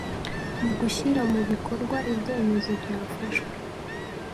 mu gushyira mu bikorwa ibyemezo byafashwe